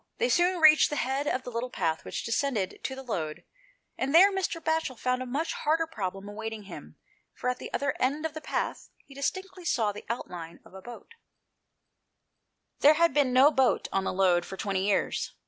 They soon reached the head of the little path which descended to the Lode, and there Mr. Batchel found a much harder problem awaiting him, for at the other end of the path he distinctly saw the outline of a boat. 161 GHOST TALES. There had been no boat on the Lode for twenty years.